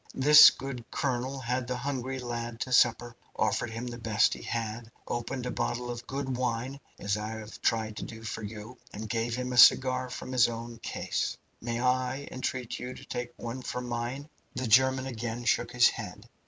This good colonel had the hungry lad to supper, offered him the best he had, opened a bottle of good wine, as I have tried to do for you, and gave him a cigar from his own case. Might I entreat you to take one from mine?" The German again shook his head.